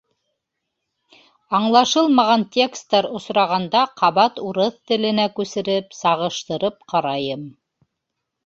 Аңлашылмаған текстар осрағанда ҡабат урыҫ теленә күсереп, сағыштырып ҡарайым.